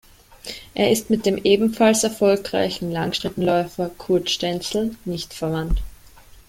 Er ist mit dem ebenfalls erfolgreichen Langstreckenläufer Kurt Stenzel nicht verwandt.